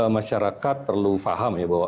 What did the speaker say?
masyarakat perlu paham ya bahwa